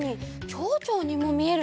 ちょうちょうにもみえるね。